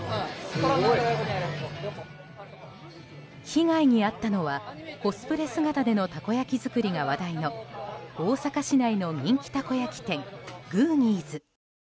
被害に遭ったのはコスプレ姿でのたこ焼き作りで話題の大阪市内の人気たこ焼き店グーニーズ。